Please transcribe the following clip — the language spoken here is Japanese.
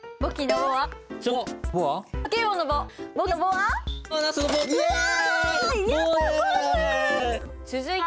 はい。